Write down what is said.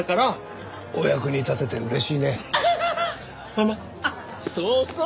あっそうそう。